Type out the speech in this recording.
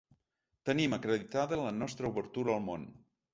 Tenim acreditada la nostra obertura al món.